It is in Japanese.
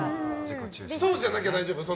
そうじゃなきゃ大丈夫？